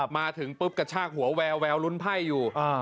มาถึงปุ๊บกระชากหัวแววลุ้นไพ่อยู่